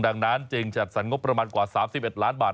ดังนั้นจึงจัดสรรงบประมาณกว่า๓๑ล้านบาท